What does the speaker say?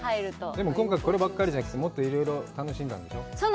でも、今回ここだけじゃなくて、もっといろいろ楽しんだんでしょう？